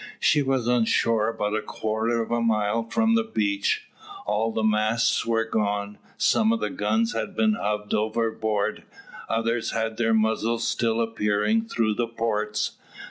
She was on shore about a quarter of a mile from the beach. All the masts were gone, some of the guns had been hove overboard, others had their muzzles still appearing through the ports.